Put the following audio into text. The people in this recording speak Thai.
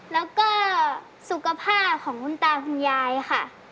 แล้วก็สุขภาพของคุณตาคุณยายค่ะ